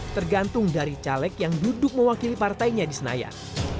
tergantung dari caleg yang duduk mewakili partainya di senayan